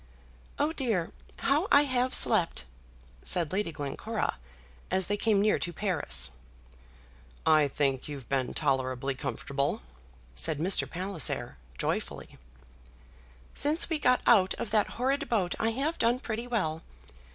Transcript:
"Oh, dear! how I have slept!" said Lady Glencora, as they came near to Paris. "I think you've been tolerably comfortable," said Mr. Palliser, joyfully. "Since we got out of that horrid boat I have done pretty well.